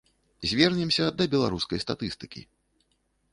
Звернемся да беларускай статыстыкі.